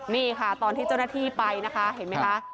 นี่ค่ะตอนที่เจ้าหน้าที่ไปนะคะเห็นไหมคะ